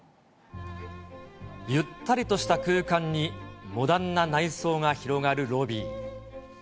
ゆったりとした空間に、モダンな内装が広がるロビー。